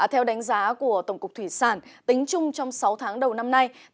theo đánh giá của tổng cục thủy sản tính chung trong sáu tháng đầu năm nay